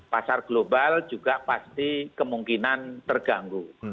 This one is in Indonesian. pasar global juga pasti kemungkinan terganggu